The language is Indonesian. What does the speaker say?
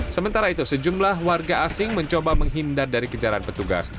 sementara itu sejumlah warga asing mencoba menghindar dari kejaran petugas